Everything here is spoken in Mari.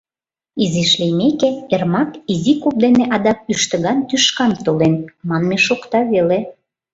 Изиш лиймеке, «Эрмак изи куп дене адак ӱштыган тӱшкам толен» манме шокта веле.